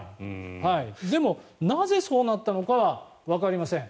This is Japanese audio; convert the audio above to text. でもなぜそうなったのかはわかりません。